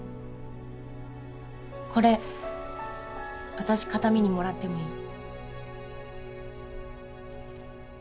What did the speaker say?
これ私形見にもらってもいい？